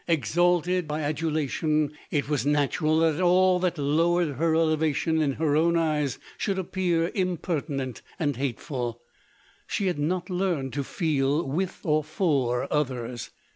Exalted by adula LODORE. 201 tioiij it was natural that all that lowered her ele vation in her own eyes, should appear impertinent and hateful. She had not learned to feel with or for others.